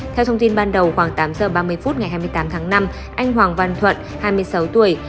theo thông tin ban đầu khoảng tám giờ ba mươi phút ngày hai mươi tám tháng năm anh hoàng văn thuận hai mươi sáu tuổi